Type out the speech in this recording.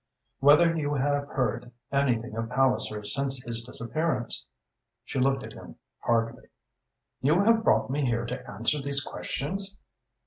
"Whether you have heard anything of Palliser since his disappearance?" She looked at him hardly. "You have brought me here to answer these questions?"